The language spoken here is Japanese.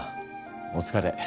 お疲れ。